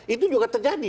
itu juga terjadi